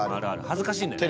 恥ずかしいんだよね。